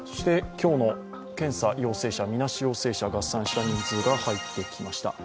今日の検査陽性者、みなし陽性者合算した人数が入ってきました。